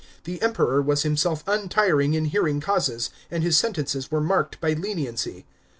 The Einperor was himself untiring in hearing causes, and his sentences were marked by leniency.